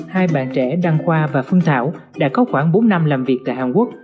hai bạn trẻ đăng khoa và phương thảo đã có khoảng bốn năm làm việc tại hàn quốc